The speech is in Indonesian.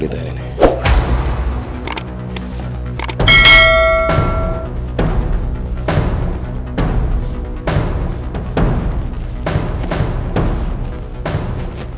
aku mau pergi